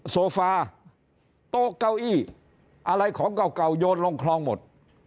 โซฟาโต๊ะเก้าอี้อะไรของเก่าโยนลงคลองหมด